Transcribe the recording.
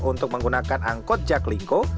untuk menggunakan angkut jaklingko